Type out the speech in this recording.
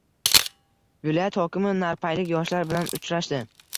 Viloyat hokimi narpaylik yoshlar bilan uchrashdi